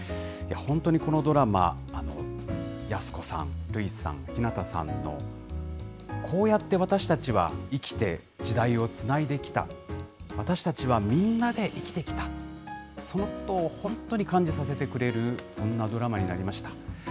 本当にこのドラマ、安子さん、るいさん、ひなたさんのこうやって私たちは生きて時代をつないできた、私たちはみんなで生きてきた、相当本当に感じさせてくれる、そんなドラマになりました。